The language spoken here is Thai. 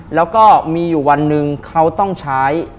แล้วก็มีอยู่วันหนึ่งเขาต้องใช้